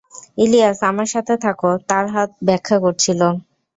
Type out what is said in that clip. ইলিয়াস, আমার সাথে থাকো তার হাত ব্যথা করছিল।